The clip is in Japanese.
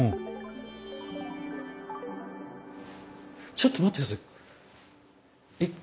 ちょっと待って下さい。